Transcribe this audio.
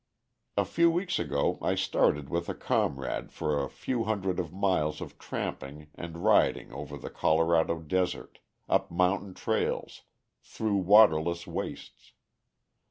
A few weeks ago I started with a comrade for a few hundreds of miles of tramping and riding over the Colorado Desert, up mountain trails, through waterless wastes.